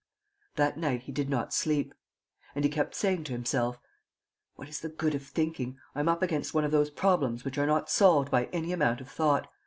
That night he did not sleep. And he kept saying to himself: "What is the good of thinking? I am up against one of those problems which are not solved by any amount of thought.